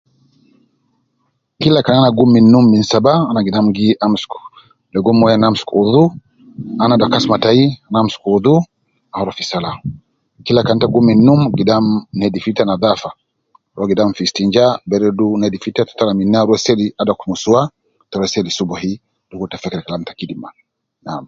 Kila kan ana gum min num Saba ana gidam gi amsuku ligo moyo ana amsuku udhu ana adaku kasma tayi ana amsuku udhu anruwa fi Salah. Kila kan ita gum min num gidam nedifu ita nadhafa, ruwa gidam fi istinjaa beredu nedifu ita ruwa fi Salah yala dukuru ita feker Kalam taan.